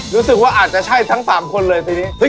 รู้สึกว่าอาจจะใช่ทั้ง๓คนเลยทีนี้